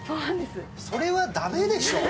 それは駄目でしょう？